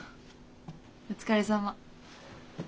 お疲れさま。